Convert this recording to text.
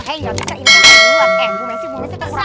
eh ya bisa ini saya duluan